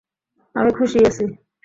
আমি খুশিই আছি।